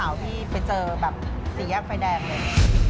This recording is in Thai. ที่ไปเจอแบบสี่แยกไฟแดงเลย